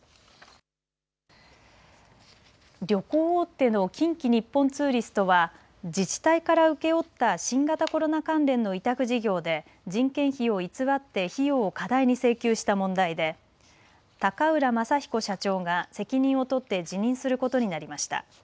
旅行大手の近畿日本ツーリストは自治体から請け負った新型コロナ関連の委託事業で人件費を偽って費用を過大に請求した問題で高浦雅彦社長が責任を取って辞任することになりました。